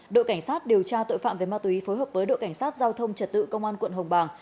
đội cảnh sát điều tra tội phạm về ma túy phối hợp với đội cảnh sát giao thông trật tự công an quận hồng bàng